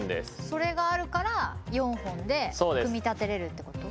それがあるから４本で組み立てれるってこと？